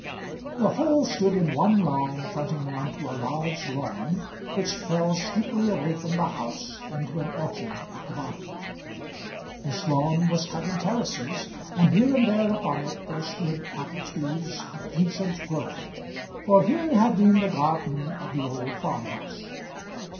The whole stood in one line fronting on to a large lawn which fell steeply away from the house into an orchard at the bottom. This lawn was cut in terraces, and here and there upon it there stood apple trees of ancient growth; for here had been the garden of the old farm house.